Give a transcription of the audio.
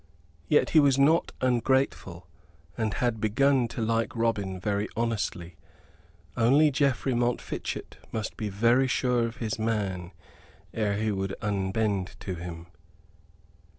Yet he was not ungrateful; and had begun to like Robin very honestly, only Geoffrey Montfichet must be very sure of his man ere he would unbend to him.